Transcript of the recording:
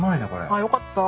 あっよかった。